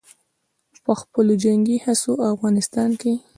په خپلو جنګي هڅو او افغانستان کښې